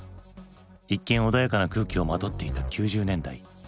一見穏やかな空気をまとっていた９０年代。